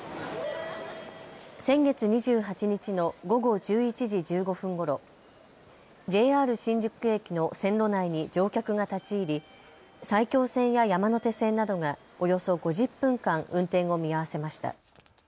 先月２８日の午後１１時１５分ごろ、ＪＲ新宿駅の線路内に乗客が立ち入り埼京線や山手線などがおよそ５０分間、運転を見合わせました。